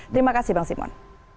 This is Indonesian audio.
terima kasih bang simon